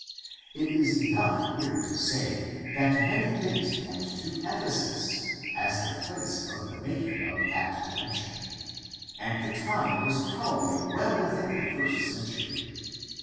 It is enough here to say that many things point to Ephesus as the place of the making of that collection, and the time was probably well williin the first century.